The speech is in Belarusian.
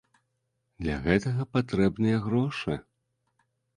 Для гэтага патрэбныя грошы.